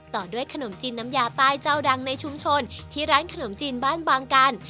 ต่อด้วยขนมจีนน้ำยาใต้เจ้าดังในชุมชนที่ร้านขนมจีนบ้านบางกัน